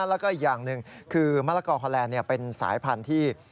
แล้วก็อีกอย่างหนึ่งคือมะละกอฮอลแลนด์เป็นสายพันธุ์ที่